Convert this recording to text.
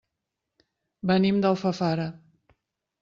Venim d'Alfafara.